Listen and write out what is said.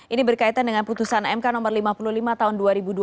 ini berkaitan dengan putusan mk no lima puluh lima tahun dua ribu dua puluh